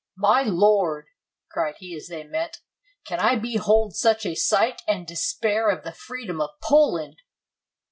" My lord," cried he, as they met, " can I behold such a sight and despair of the freedom of Poland!"